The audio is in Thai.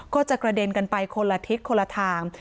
กระเด็นกันไปคนละทิศคนละทาง